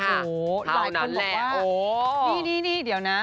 โอ้โหหลายคนบอกว่านี่เดี๋ยวนะ